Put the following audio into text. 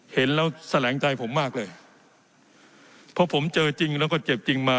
เห็นแล้วแสลงใจผมมากเลยเพราะผมเจอจริงแล้วก็เจ็บจริงมา